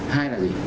hai là gì